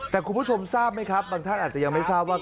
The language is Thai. แต่คุณผู้ชมทราบไหมครับบางท่านอาจจะยังไม่ทราบว่า